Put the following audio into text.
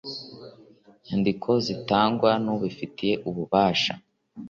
nyandiko zitangwa n ubifitiye ububasha